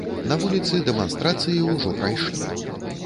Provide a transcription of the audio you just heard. На вуліцы дэманстрацыі ўжо прайшлі.